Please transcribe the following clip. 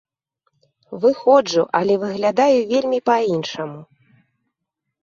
Выходжу, але выглядаю вельмі па-іншаму.